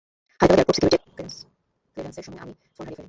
হায়দ্রাবাদ এয়ারপোর্টে সিকিউরিটি ক্লেরান্সের সময় আমি ফোন হারিয়ে ফেলি।